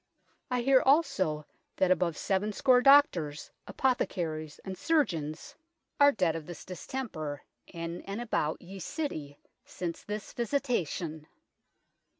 I heare also LETTERS FROM LONDON 225 that above 7 score doctors, apothecarys and surgeons are dead of this distemper in and about ye City since this visitation.